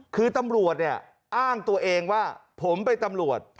คือตำรวจเนี่ยอ้างตัวเองว่าผมเป็นตำรวจ